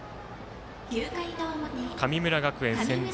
神村学園、先制。